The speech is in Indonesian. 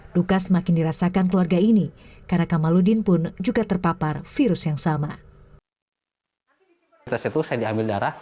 duka semakin dirasakan keluarga ini karena kamaludin pun juga terpapar virus yang sama